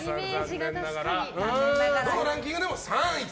このランキングでも３位と。